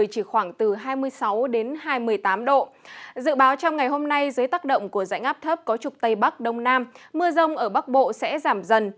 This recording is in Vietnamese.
trong ngày hôm nay dưới tác động của dãy ngáp thấp có trục tây bắc đông nam mưa rông ở bắc bộ sẽ giảm dần